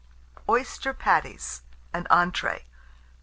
OYSTER PATTIES (an Entree).